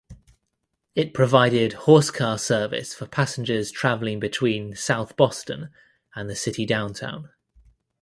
It provided horsecar service for passengers traveling between South Boston and the city downtown.